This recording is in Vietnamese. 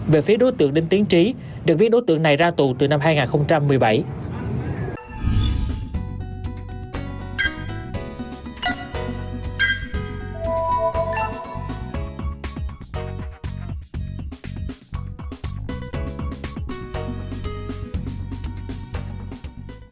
về phía đối tượng đinh tiến trí được biết đối tượng này ra tù từ năm hai nghìn một mươi bảy